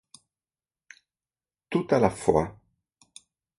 Tout à la fois !